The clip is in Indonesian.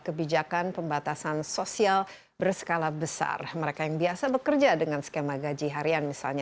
kebijakan pembatasan sosial berskala besar mereka yang biasa bekerja dengan skema gaji harian misalnya